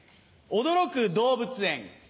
驚く動物園。